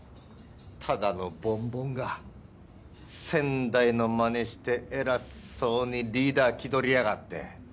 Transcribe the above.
ただのぼんぼんが先代のまねして偉そうにリーダー気取りやがって。